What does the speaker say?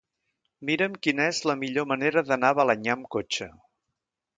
Mira'm quina és la millor manera d'anar a Balenyà amb cotxe.